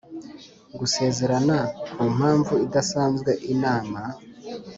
gusezerana Ku mpamvu idasanzwe Inama